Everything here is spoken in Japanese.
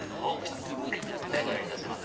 ご用意いたします